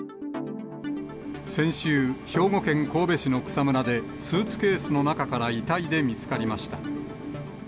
先週、兵庫県神戸市の草むらで、スーツケースの中から遺体で見つかりました。